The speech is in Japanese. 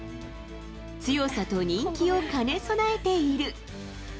強さと人気を兼ね備えている。